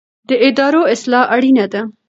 د ادارو اصلاح اړینه ده